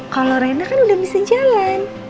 kalau rena kan udah bisa jalan